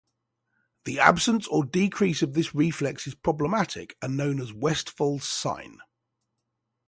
The absence or decrease of this reflex is problematic, and known as Westphal's sign.